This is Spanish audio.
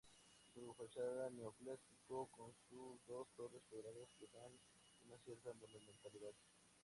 Su fachada neoclásico con sus dos torres cuadradas que dan una cierta monumentalidad.